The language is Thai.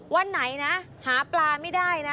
วันไหนนะหาปลาไม่ได้นะ